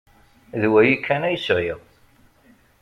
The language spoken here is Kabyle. D wayi kan ay sεiɣ.